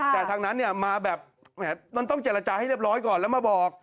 แต่ทางนั้นมาแบบต้องเจรจาให้เรียบร้อยก่อนแล้วมาบอก